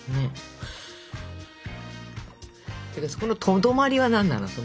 そのとどまりは何なの？